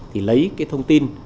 thì lấy cái thông tin